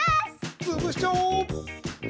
つぶしちゃおう！